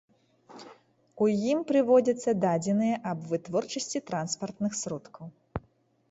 У ім прыводзяцца дадзеныя аб вытворчасці транспартных сродкаў.